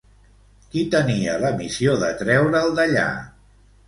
Qui tenia la missió de treure'l d'allà?